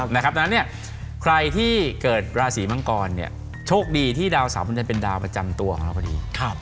ในนั้นเนี่ยใครที่เกิดลาศรีมังกรเนี่ยโชคดีที่ดาวเสามันจะเป็นดาวประจำตัวของเราก็ดี